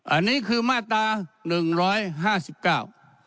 อันนี้คือมาตราหนึ่งร้อยห้าสิบเก้า